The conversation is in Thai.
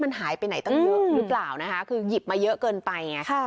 มันหายไปไหนตั้งเยอะหรือเปล่านะคะคือหยิบมาเยอะเกินไปไง